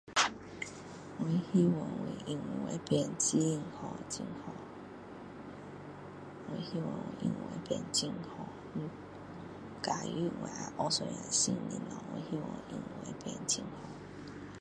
我希望我英文会变很好很好我希望我英文会变很好假如我要学新的东西我希望我的英文会变很好